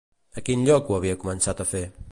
A quin lloc ho havia començat a fer?